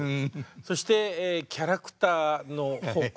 そしてキャラクターの宝庫。